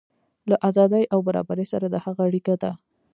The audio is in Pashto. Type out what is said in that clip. له ازادۍ او برابرۍ سره د هغه اړیکه ده.